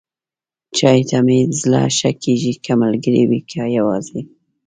چای ته مې زړه ښه کېږي، که ملګری وي، که یواځې.